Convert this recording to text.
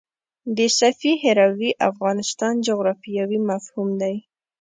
د سیفي هروي افغانستان جغرافیاوي مفهوم دی.